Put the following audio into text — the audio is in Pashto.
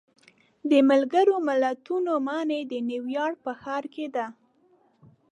د ملګرو ملتونو ماڼۍ د نیویارک په ښار کې ده.